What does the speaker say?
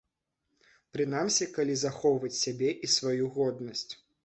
Прынамсі, калі захоўваць сябе і сваю годнасць.